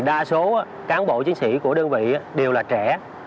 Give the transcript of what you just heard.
đa số cán bộ chiến sĩ của đơn vị đều là trẻ